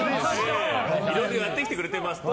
いろいろやってきてくれてます。